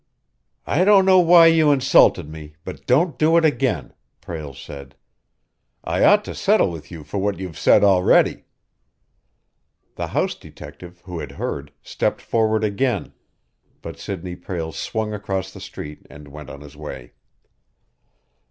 "I don't know why you insulted me, but don't do it again!" Prale said. "I ought to settle with you for what you've said already." The house detective, who had heard, stepped forward again, but Sidney Prale swung across the street and went on his way.